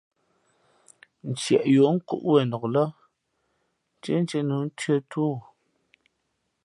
Ntieꞌ yi ǒ kúꞌ wenok lά, ntīēntíé nu tʉ̄ᾱ tú ō.